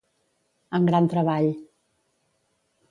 Amb gran treball.